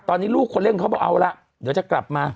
ตอนนี้ลูกคนเล่นเขาบอกเอาละเดี๋ยวจะกลับมา